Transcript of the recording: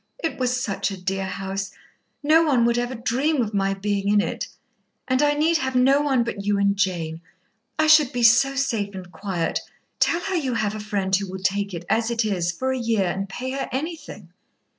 "It was such a dear house. No one would ever dream of my being in it. And I need have no one but you and Jane. I should be so safe and quiet. Tell her you have a friend who will take it, as it is, for a year, and pay her anything."